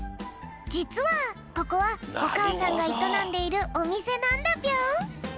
じつはここはおかあさんがいとなんでいるおみせなんだぴょん。